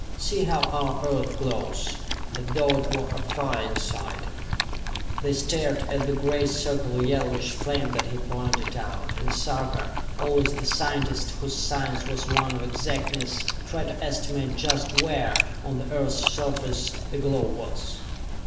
"See how our Earth glows, as though it were afire inside!" They stared at the great circular yellowish flame that he pointed out, and Sarka, always the scientist whose science was one of exactness, tried to estimate just where, on the Earth's surface, the glow was.